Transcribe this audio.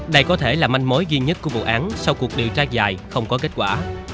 đây có thể là manh mối duy nhất của vụ án sau cuộc điều tra dài không có kết quả